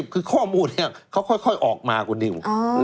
คือข้อมูลนี้เขาค่อยออกมาคุณนิว